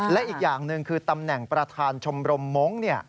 และอีกอย่างหนึ่งคือตำแหน่งประธานชมรมมงค์